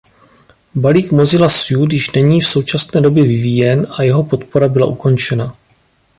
Balík Mozilla Suite již není v současné době vyvíjen a jeho podpora byla ukončena.